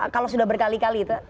kalau sudah berkali kali itu